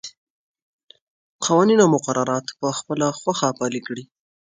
قوانین او مقررات په خپله خوښه پلي کړي.